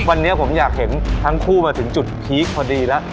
วันนี้ผมอยากเห็นทั้งคู่มาถึงจุดพีคพอดีแล้ว